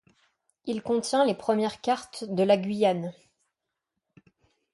Il contient les premières cartes de la Guyane.